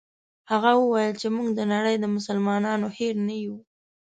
هغه وویل چې موږ د نړۍ د مسلمانانو هېر نه یو.